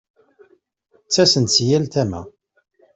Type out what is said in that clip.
Ttasen-d si yal tama.